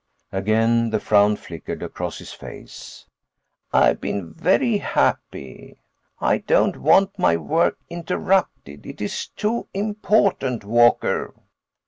Again the frown flickered across his face. "I've been very happy. I don't want my work interrupted. It's too important, Walker."